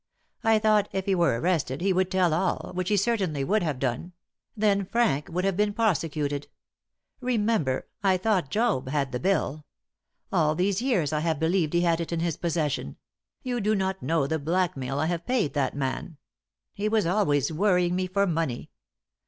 I thought, if he were arrested, he would tell all, which he certainly would have done; then Frank would have been prosecuted. Remember, I thought Job had the bill! All these years I have believed he had it in his possession; you do not know the blackmail I have paid that man! He was always worrying me for money.